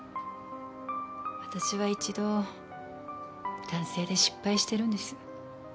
私は一度男性で失敗してるんです。